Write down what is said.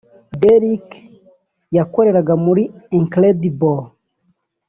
Dereck yakoreraga muri Incredible